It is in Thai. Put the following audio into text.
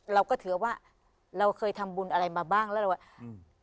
เราก็ถือว่าเราเคยทำบุญอะไรมาบ้างแล้วเราว่าอืม